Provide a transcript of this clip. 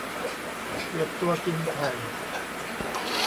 เกลียดตัวกินไข่